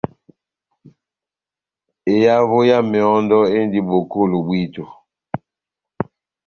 Ehavo ya mehɔ́ndɔ endi bokolo bwíto.